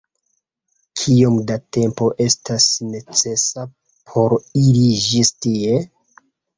Kiom da tempo estas necesa por iri ĝis tie?